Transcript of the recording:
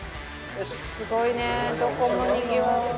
すごいねどこもにぎわって。